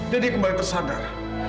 jadi kembali tersadar